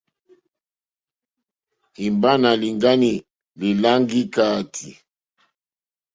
Imba nà lìŋgani li làŋga ikàati.